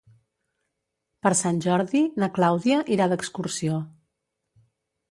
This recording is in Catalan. Per Sant Jordi na Clàudia irà d'excursió.